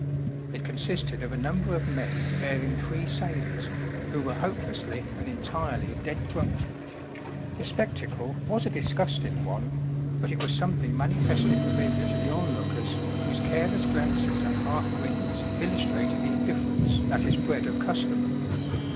It consisted of a number of men bearing three sailors who were hopelessly and entirely dead drunk. The spectacle was a disgusting one, but it was some thing manifestly familiar to the onlookers, whose care less glances and half grins illustrated the indifference 282 A LUMINOUS SAILOR. that is bred of custom.